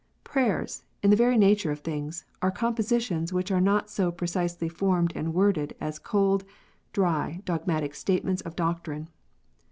Prayers, in the very nature of things, are compositions which are not so pre cisely framed and worded as cold, dry, dogmatic statements of doctrine.